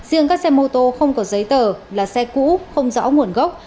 riêng các xe mô tô không có giấy tờ là xe cũ không rõ nguồn gốc